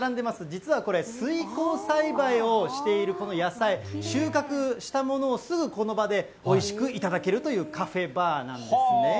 実はこれ、水耕栽培をしているこの野菜、収穫したものをすぐこの場でおいしく頂けるというカフェバーなんですね。